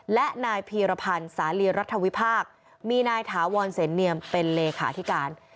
และนายพีรพันธ์สาลีรัฐวิพากษ์มีนายถาวรเสนเนียมเป็นเลขาธิการ